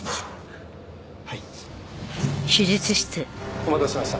お待たせしました。